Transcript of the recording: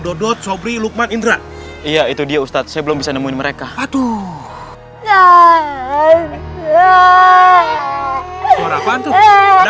dodot shobli lukman indra iya itu dia ustadz saya belum bisa nemuin mereka patuh ya